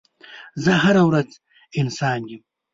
زه هره ورځ انسانه یم